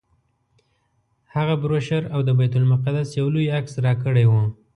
هغه بروشر او د بیت المقدس یو لوی عکس راکړی و.